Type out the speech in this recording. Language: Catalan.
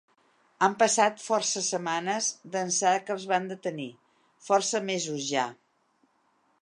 Han passat força setmanes d’ençà que els van detenir, força mesos ja.